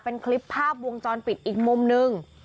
เป็นคลิปภาพวงจรปิดอีกมุมนึง